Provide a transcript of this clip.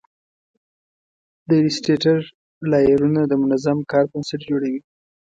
د ایلیسټریټر لایرونه د منظم کار بنسټ جوړوي.